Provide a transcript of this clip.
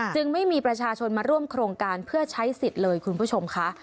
ไม่มีประชาชนมาร่วมโครงการเพื่อใช้สิทธิ์เลยคุณผู้ชมค่ะ